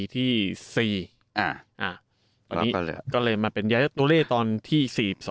ตอนนี้ก็เลยมาเป็นย้ายตัวเลขตอนที่๔๒